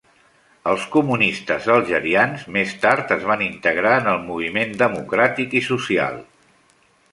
Els comunistes algerians més tard es van integrar en el Moviment Democràtic i Social.